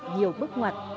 nhiều bước ngoặt